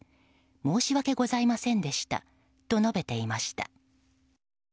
申し訳ございませんでしたと述べていました。